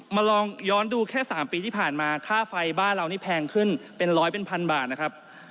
มาลองย้อนดูแค่๓ปีที่ผ่านมาค่าไฟบ้านเรานี่แพงขึ้นเป็นร้อยเป็นพันบาทนะครับ